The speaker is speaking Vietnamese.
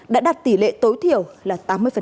đã đạt tỷ lệ tối thiểu là tám mươi